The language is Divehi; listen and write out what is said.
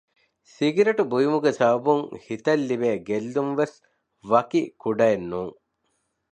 ސިނގިރޭޓު ބުއިމުގެ ސަބަބުން ހިތަށް ލިބޭ ގެއްލުންވެސް ވަކި ކުޑައެއް ނޫން